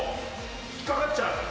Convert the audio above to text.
引っ掛かっちゃう。